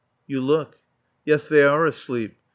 _" You look. Yes. They are asleep.